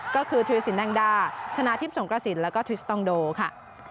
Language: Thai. ก็คือธุรสินแดงดาชนะทิพย์สงกระสินแล้วก็ทริสตองโดค่ะ